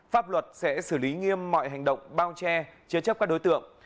pháp luật sẽ xử lý nghiêm mọi hành động bao che chế chấp các đối tượng